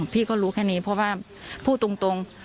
พี่ก็รู้แค่นี้เพราะว่าพูดตรง